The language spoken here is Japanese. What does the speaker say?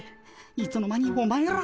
いつの間にお前ら。